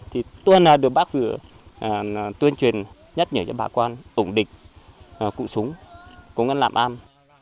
thì tôi là được bác phừ tuyên truyền nhắc nhở cho bà con ủ địch cụ súng công an làm an